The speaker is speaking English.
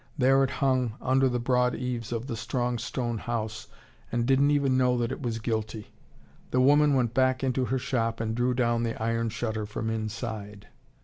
There it hung under the broad eaves of the strong stone house, and didn't even know that it was guilty. The woman went back into her shop and drew down the iron shutter from inside.